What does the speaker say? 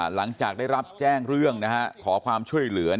หลังจากได้รับแจ้งเรื่องขอความช่วยเหลือ